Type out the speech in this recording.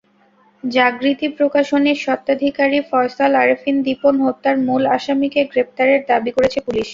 জাগৃতি প্রকাশনীর স্বত্বাধিকারী ফয়সল আরেফিন দীপন হত্যার মূল আসামিকে গ্রেপ্তারের দাবি করেছে পুলিশ।